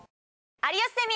『有吉ゼミ』。